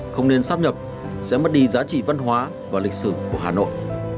không nên xác nhập sẽ mất đi giá trị văn hóa và lịch sử của hà nội